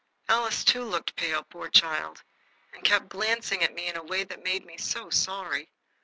Alice, too, looked pale, poor child! and kept glancing at me in a way that made me so sorry.